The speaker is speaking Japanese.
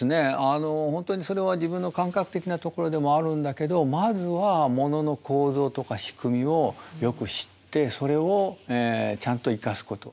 あの本当にそれは自分の感覚的なところでもあるんだけどまずはモノの構造とか仕組みをよく知ってそれをちゃんと生かすこと。